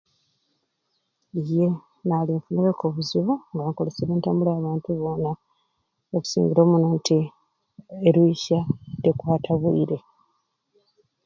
Iye nali nfunireku obuzibu nga nkoleserye entambula ya bantu bona okusinga omuno nti erwisya tekwata bwire